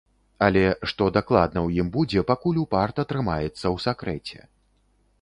Але, што дакладна ў ім будзе, пакуль упарта трымаецца ў сакрэце.